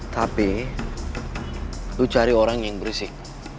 tapi lu cari orang yang berisik